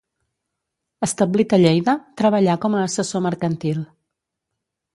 Establit a Lleida, treballà com a assessor mercantil.